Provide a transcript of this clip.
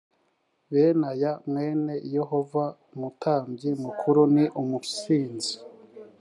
benaya mwene yehoyada umutambyi mukuru ni umusinzi